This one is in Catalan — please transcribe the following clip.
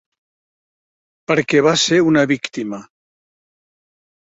Perquè va ser una víctima.